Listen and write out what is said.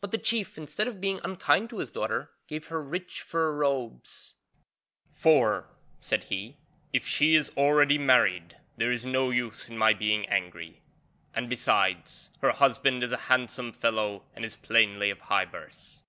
But the chief, instead of being unkind to his daughter, gave her rich fur robes; 'for,' said he, 'if she is already married there is no use in my being angry; and besides, her husband is a handsome fellow and is plainly of high birth.'